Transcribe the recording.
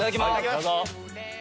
どうぞ！